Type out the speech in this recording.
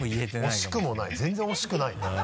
惜しくもない全然惜しくないね。